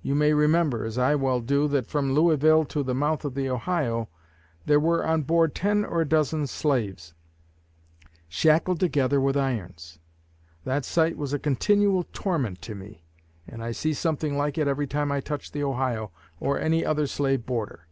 You may remember, as I well do, that from Louisville to the mouth of the Ohio, there were on board ten or a dozen slaves, shackled together with irons. That sight was a continual torment to me; and I see something like it every time I touch the Ohio, or any other slave border.